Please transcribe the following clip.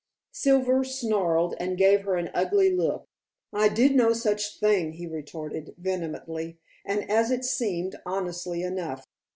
Silver snarled and gave her an ugly look. "I did no such thing," he retorted vehemently, and, as it seemed, honestly enough.